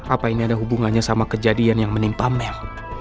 apa ini ada hubungannya sama kejadian yang menimpa mel